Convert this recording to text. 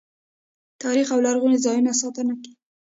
د تاریخي او لرغونو ځایونو ساتنه کیږي.